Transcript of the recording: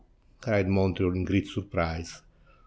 cried Montreal in great surprise.